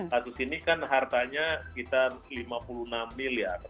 kasus ini kan hartanya kita lima puluh enam miliar